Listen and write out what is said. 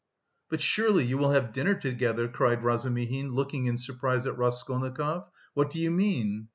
"But surely you will have dinner together?" cried Razumihin, looking in surprise at Raskolnikov. "What do you mean?"